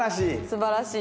素晴らしい。